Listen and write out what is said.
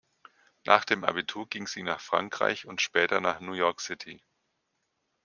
Nach dem Abitur ging sie nach Frankreich und später nach New York City.